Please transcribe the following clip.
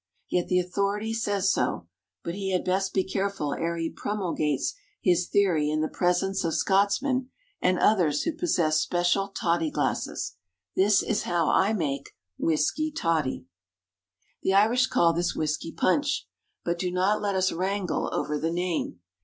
Yet the authority says so; but he had best be careful ere he promulgates his theory in the presence of Scotsmen and others who possess special toddy glasses. This is how I make Whisky Toddy. The Irish call this whisky punch. But do not let us wrangle over the name.